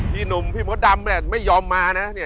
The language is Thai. พี่หนุ่มพี่หมดดำไม่ยอมมานะ